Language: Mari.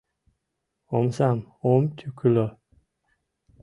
Омсам ом тӱкылӧ.